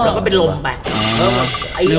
แล้วก็เป็นลมไป